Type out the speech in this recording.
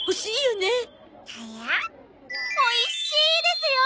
おいしいですよ！